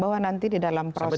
bahwa nanti di dalam proses